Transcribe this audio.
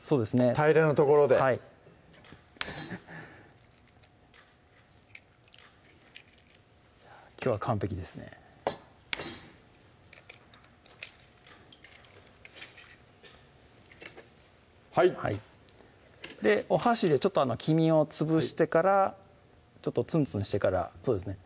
平らな所ではいきょうは完璧ですねお箸でちょっと黄身を潰してからちょっとツンツンしてからそうですね